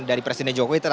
dari presiden jokowi